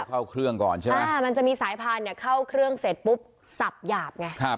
เขาบอกว่ามันจะมีสายพานเข้าเครื่องเสร็จปุ๊บสับหยาบไง